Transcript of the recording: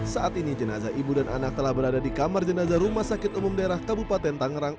saat ini jenazah ibu dan anak telah berada di kamar jenazah rumah sakit umum daerah kabupaten tangerang